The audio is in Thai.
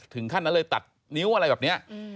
ถึงขั้นนั้นเลยตัดนิ้วอะไรแบบนี้